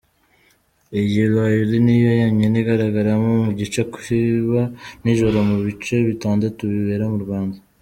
Iyi rallye niyo yonyine igaragaragaramo igice kiba nijoro mu bice bitandatu bibera mu Rwanda.